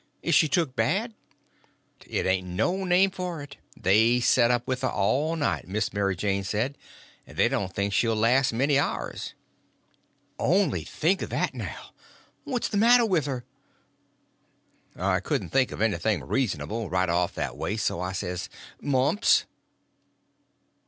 Is she took bad?" "It ain't no name for it. They set up with her all night, Miss Mary Jane said, and they don't think she'll last many hours." "Only think of that, now! What's the matter with her?" I couldn't think of anything reasonable, right off that way, so I says: "Mumps."